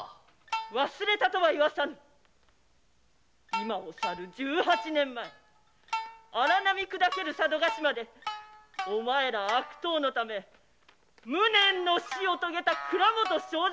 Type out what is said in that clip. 「今を去る十八年前荒波砕ける佐渡ヶ島でお前ら悪党のため無念の死を遂げた倉本正三郎の忘れ形見一之進なり！」